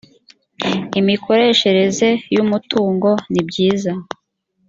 imikoreshereze y umutungo nibyiza